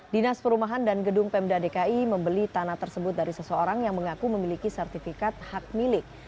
dinas perumahan dan gedung pemda dki membeli tanah tersebut dari seseorang yang mengaku memiliki sertifikat hak milik